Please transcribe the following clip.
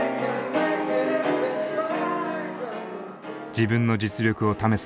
自分の実力を試す